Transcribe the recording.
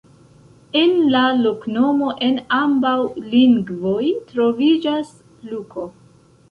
En la loknomo en ambaŭ lingvoj troviĝas Luko.